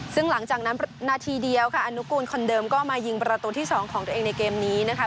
ซึ่งหลังจากนั้นนาทีเดียวค่ะอนุกูลคนเดิมก็มายิงประตูที่๒ของตัวเองในเกมนี้นะคะ